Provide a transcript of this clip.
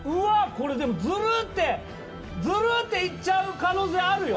これでもズルってズルって行っちゃう可能性あるよ？